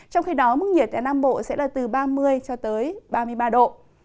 trong khi đó mức nhiệt tại nam bộ sẽ từ ba mươi ba mươi ba độ